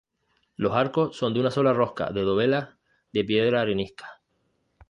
Los arcos son de una sola rosca de dovelas de piedra arenisca.